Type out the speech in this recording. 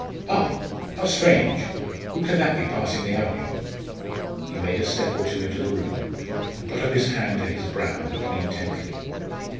Ah! how strange! Who can that be passing the avenue?" He made a step or two into the room, and put up his hand to his brow, looking intently.